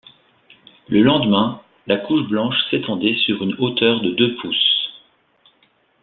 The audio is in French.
Le lendemain, la couche blanche s’étendait sur une hauteur de deux pouces.